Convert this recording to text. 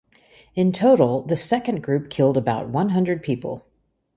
In total this second group killed about one hundred people.